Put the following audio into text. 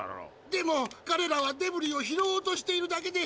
でも彼らはデブリを拾おうとしているだけで。